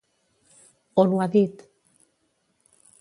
On ho ha dit?